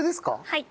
はい。